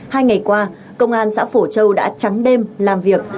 hai ngày qua công an xã phổ châu đã trắng đêm làm việc